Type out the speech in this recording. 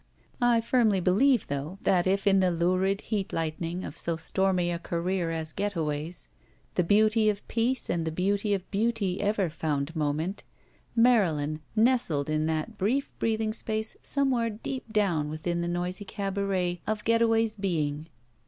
I firmly beUeve, though, that if in the lurid heat lightning of so stormy a career as Get away's the beauty of peace and the peace of beauty ever fotmd moment, Marylin nestled in that brief breathing space somewhere deep down within the noisy cabaret of Getaway's being.